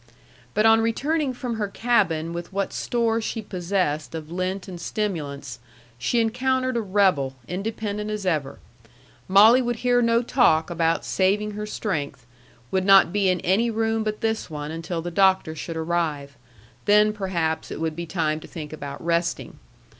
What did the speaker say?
But on returning from her cabin with what store she possessed of lint and stimulants, she encountered a rebel, independent as ever. Molly would hear no talk about saving her strength, would not be in any room but this one until the doctor should arrive; then perhaps it would be time to think about resting.